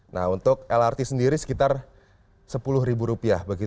nah untuk lrt sendiri sekitar sepuluh rupiah